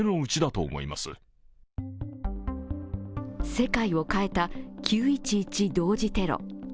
世界を変えた９・１１同時テロ。